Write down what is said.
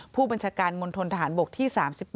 ผู้บัญชาการมนตรฐานบกที่๓๘